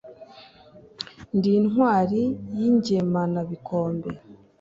ndi intwali y’ingemanabikombe,